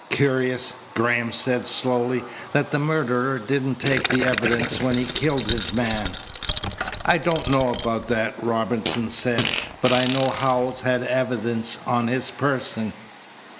"Curious," Graham said slowly, "that the murderer didn't take the evidence when he killed his man." "I don't know about that," Robinson said, "but I know Howells had evidence on his person.